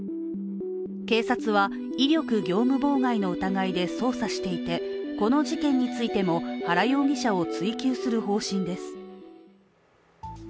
警察は、威力業務妨害の疑いで捜査していてこの事件についても原容疑者を追及する方針です。